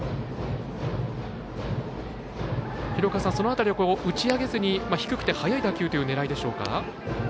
廣岡さん、その辺り打ち上げずに低くて速い打球という狙いでしょうか。